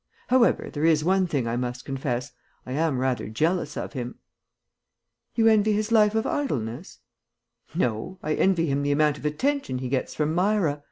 However, there is one thing I must confess. I am rather jealous of him." "You envy his life of idleness?" "No, I envy him the amount of attention he gets from Myra.